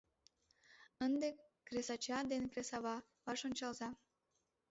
— Ынде кресача ден кресава ваш ончалза.